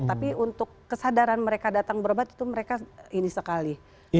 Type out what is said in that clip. tapi untuk kesadaran mereka datang berobat itu mereka ini sekali